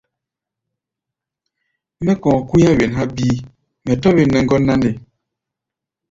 Mɛ́ kɔ̧ɔ̧ kú̧í̧á̧ wen há̧ bíí, mɛ tɔ̧́ wen nɛ ŋgɔ́n na nde?